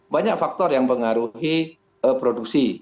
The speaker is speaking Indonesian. banyak faktor yang mengaruhi produksi